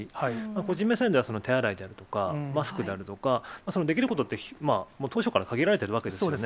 個人目線では手洗いであるとか、マスクであるとか、できることって当初から限られているわけですよね。